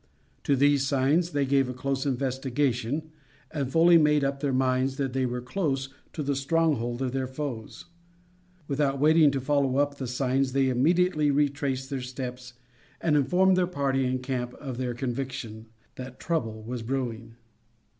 To these signs they gave a close investigation, and fully made up their minds that they were close to the stronghold of their foes. Without waiting to follow up the signs they immediately retraced their steps and informed their party in camp of their conviction that trouble was brewing.